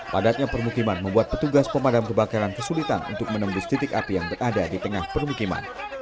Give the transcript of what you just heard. padatnya permukiman membuat petugas pemadam kebakaran kesulitan untuk menembus titik api yang berada di tengah permukiman